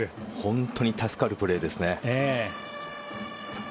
本当に助かるプレーです。